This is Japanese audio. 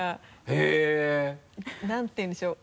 へぇ！なんて言うんでしょう？